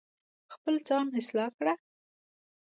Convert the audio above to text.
خپل ځان اصلاح کړه